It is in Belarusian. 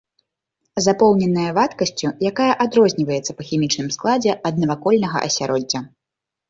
Запоўненая вадкасцю, якая адрозніваецца па хімічным складзе ад навакольнага асяроддзя.